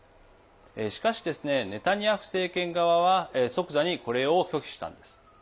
しかし、ネタニヤフ政権側は即座にこれを拒否したんです。